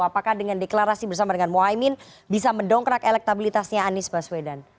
apakah dengan deklarasi bersama dengan mohaimin bisa mendongkrak elektabilitasnya anies baswedan